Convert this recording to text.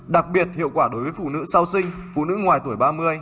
đặc biệt hiệu quả đối với phụ nữ sau sinh phụ nữ ngoài tuổi ba mươi